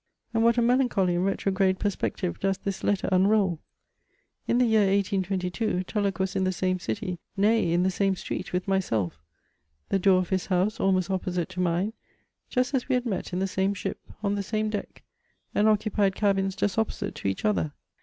And what a melancholy and retrograde perspective does this letter unroll! In the year 1822 Tulloch was in the same city, — nay, in the same street with myself ; the door of his house almost opposite to mine, just as we had met in the same ship — on the same deck — and occupied cabins just opposite to each other.